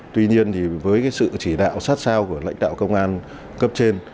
tuy nhiên thì với sự chỉ đạo sát sao của lãnh đạo công an cấp trên